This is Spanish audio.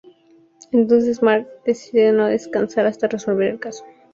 Entonces Mark decide no descansar hasta resolver el caso.